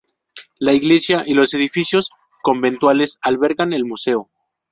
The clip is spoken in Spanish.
La iglesia y los edificios conventuales albergan el museo.